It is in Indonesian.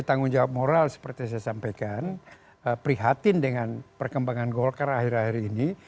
tanggung jawab moral seperti saya sampaikan prihatin dengan perkembangan golkar akhir akhir ini